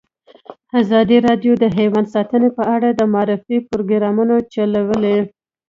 ازادي راډیو د حیوان ساتنه په اړه د معارفې پروګرامونه چلولي.